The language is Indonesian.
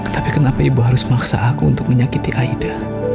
tapi kenapa ibu harus memaksa aku untuk menyakiti aida